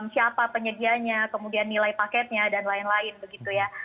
siapa penyedianya kemudian nilai paketnya dan lain lain begitu ya